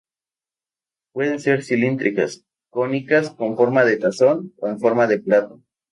Pueden ser cilíndricas, cónicas, con forma de tazón o en forma de plato.